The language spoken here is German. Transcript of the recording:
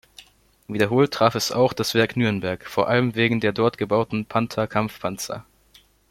Wiederholt traf es auch das Werk Nürnberg, vor allem wegen der dort gebauten Panther-Kampfpanzer.